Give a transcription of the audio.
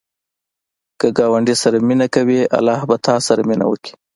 که ګاونډي سره مینه کوې، الله به تا سره وکړي